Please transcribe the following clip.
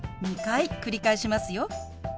２回繰り返しますよ。